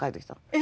え！